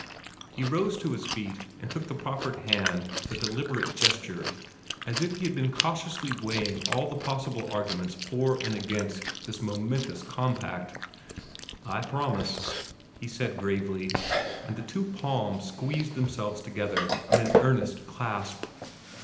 He rose to his feet, and took the proffered hand with a deliberate gesture, as if he had been cautiously weighing all the possible arguments for and against this momentous compact. "I promise," he said gravely, and the two palms squeezed themselves together in an earnest clasp.